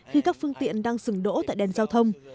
khi các phương tiện đang dừng đỗ tại đèn giao thông